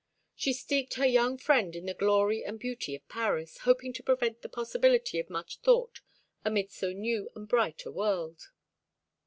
She steeped her young friend in the glory and beauty of Paris, hoping to prevent the possibility of much thought amidst so new and bright a world.